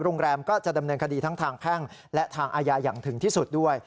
โรงแรมก็จะดำเนินคดีทั้งทางแพ่งและทางอาญาอย่างถึงที่สุดด้วย